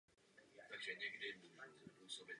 Jsou hospodářsky využívány a funkční dodnes.